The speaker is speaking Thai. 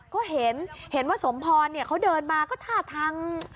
ก็เห็นเห็นว่าสมพรเขาเดินมาก็ท่าทาง